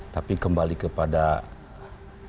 tapi kembali kepadanya